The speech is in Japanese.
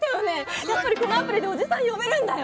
やっぱりこのアプリでおじさん呼べるんだよ。